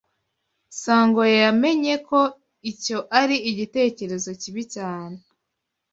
Sangwa yamenye ko icyo ari igitekerezo kibi cyane.